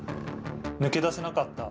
抜け出せなかった。